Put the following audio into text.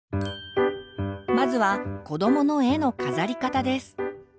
まずは子どもの絵の飾り方です。